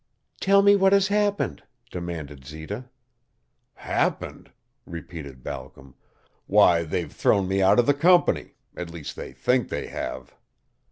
"Tell me what has happened," demanded Zita. "Happened?" repeated Balcom. "Why, they've thrown me out of the company at least, they think they have."